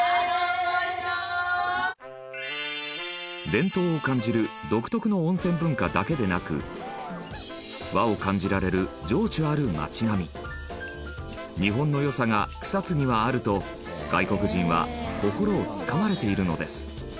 伝統を感じる独特の温泉文化だけでなく和を感じられる日本の良さが草津にはあると外国人は心をつかまれているのです。